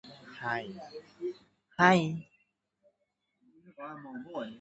Guerrilla warfare broke out following the battle, which continued for about ten months.